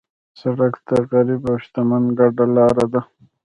سړک د غریب او شتمن ګډه لار ده.